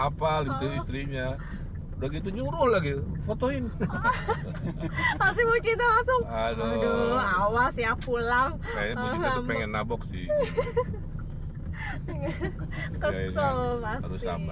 apa apa istrinya begitu nyuruh lagi fotoin pasti mau kita langsung awas ya pulang pengen nabok sih